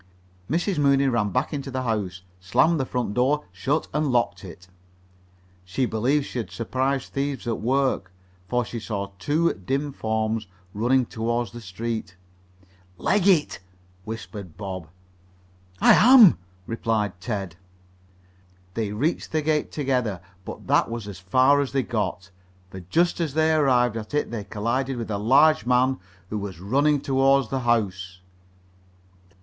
Mrs. Mooney ran back into the house, slammed the front door, shut and locked it. She believed she had surprised thieves at work, for she saw two dim forms running toward the street. "Leg it!" whispered Bob. "I am," replied Ted. They reached the gate together, but that was as far as they got, for just as they arrived at it they collided with a large man who was running toward the house.